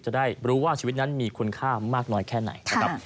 จะได้รู้ว่าชีวิตนั้นมีคุณค่ามากน้อยแค่ไหนนะครับ